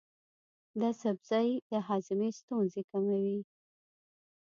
دا سبزی د هاضمې ستونزې کموي.